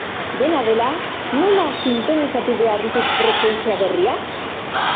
Dena dela, nola sintonizatu behar ditut frekuentzia berriak?